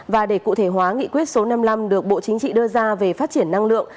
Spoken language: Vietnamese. và để cụ thể hóa nghị quyết số năm mươi năm được bộ chính trị đưa ra về phát triển năng lượng